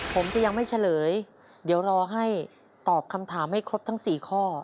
ผมจะยังไม่เฉลยเดี๋ยวรอให้ตอบคำถามให้ครบทั้ง๔ข้อ